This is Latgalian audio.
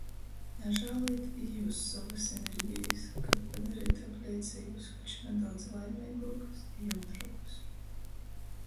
Nažālojit i jius sovys energejis, kab padareit apleicejūs koč nadaudz laimeiguokus i jautruokus!